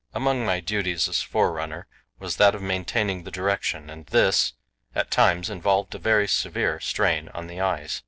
Among my duties as forerunner was that of maintaining the direction, and this, at times, involved a very severe strain on the eyes.